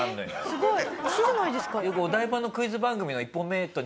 すごい。一緒じゃないですか。